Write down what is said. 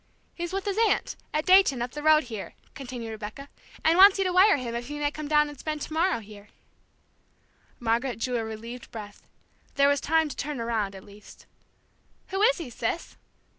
"He's with his aunt, at Dayton, up the road here," continued Rebecca; "and wants you to wire him if he may come down and spend tomorrow here." Margaret drew a relieved breath. There was time to turn around, at least. "Who is he, sis?"